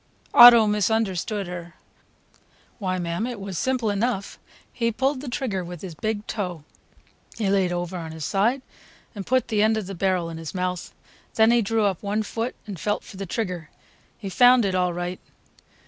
Otto misunderstood her. "Why, mam, it was simple enough; he pulled the trigger with his big toe. He layed over on his side and put the end of the barrel in his mouth, then he drew up one foot and felt for the trigger. He found it all right!"